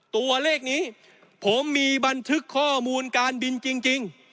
ตัวเลขนี้ผมมีบันทึกข้อมูลการบินจริง